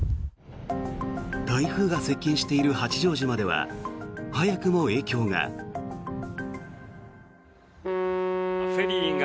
台風が接近している八丈島では早くも影響が。